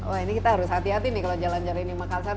wah ini kita harus hati hati nih kalau jalan jalan di makassar